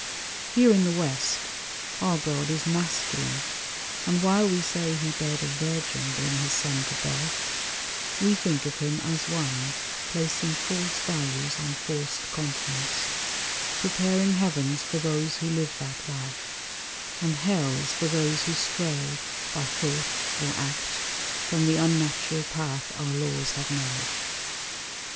Here in the West, our God is Masculine; And while we say He bade a Virgin bring His Son to birth, we think of Him as One Placing false values on forced continence— Preparing heavens for those who live that life— And hells for those who stray by thought or act From the unnatural path our laws have made.